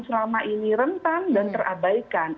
selama ini rentan dan terabaikan